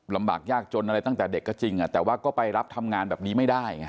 ลำบากยากจนอะไรตั้งแต่เด็กก็จริงแต่ว่าก็ไปรับทำงานแบบนี้ไม่ได้ไง